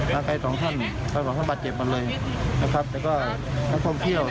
มาไกรด์สองท่านและตอนนี้ผ่านมาที่ตามบัตรเจ็บกันเลย